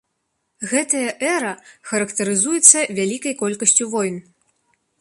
Гэтая эра характарызуецца вялікай колькасцю войн.